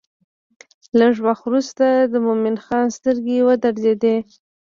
لږ وخت وروسته د مومن خان سترګې ودرېدې.